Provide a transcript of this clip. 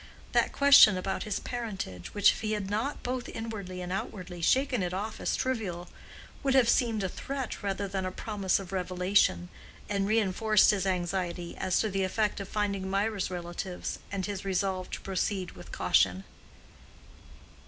That question about his parentage, which if he had not both inwardly and outwardly shaken it off as trivial, would have seemed a threat rather than a promise of revelation, and reinforced his anxiety as to the effect of finding Mirah's relatives and his resolve to proceed with caution.